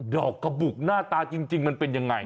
อกกระบุกหน้าตาจริงมันเป็นยังไง